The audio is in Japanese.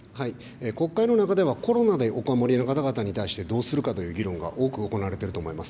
国会の中では、コロナでお困りの方々に対してどうするかという議論が多く行われていると思います。